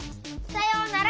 さようなら！